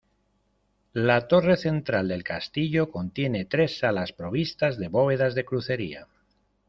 La torre central del castillo contiene tres salas provistas de bóvedas de crucería.